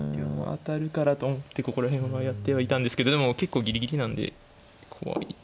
当たるからと思ってここら辺はやってはいたんですけどでも結構ギリギリなんで怖い。